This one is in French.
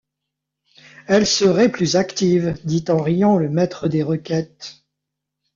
Elle serait plus active, dit en riant le maître des requêtes.